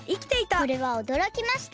これもおどろきました。